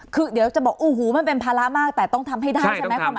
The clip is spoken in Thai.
คือเดี๋ยวจะบอกโอ้โหมันเป็นภาระมากแต่ต้องทำให้ได้ใช่ไหมคุณหมอ